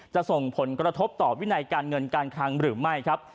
จะส่งผลกระทบต่อวินัยการเงินการคลังหรือไม่ครับ